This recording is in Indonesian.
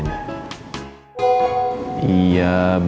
mirip apa itu